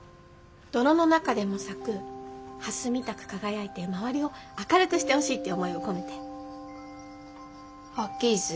泥の中でも咲く蓮みたく輝いて周りを明るくしてほしいって思いを込めて。